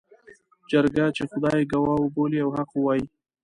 جرګه چې خدای ګواه وبولي او حق ووايي.